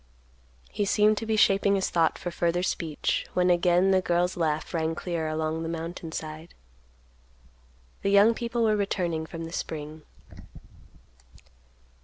He seemed to be shaping his thought for further speech, when again the girl's laugh rang clear along the mountain side. The young people were returning from the spring.